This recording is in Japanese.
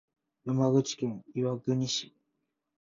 山口県岩国市